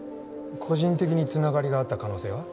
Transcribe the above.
個人的につながりがあった可能性は？